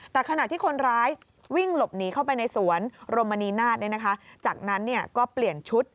แต่ขณะที่คนร้ายวิ่งหลบหนีเข้าไปในสวนรมณีนาฏจากนั้นก็เปลี่ยนชุด